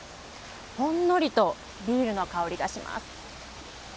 ほんのりとビールの香りがします。